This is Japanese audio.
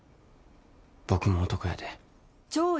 僕も男やで。